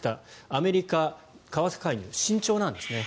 アメリカ、為替介入慎重なんですね。